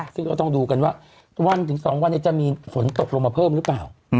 ซึ่งก็ต้องดูกันว่าวันถึง๒วันนี้จะมีฝนตกลงมาเพิ่มหรือเปล่า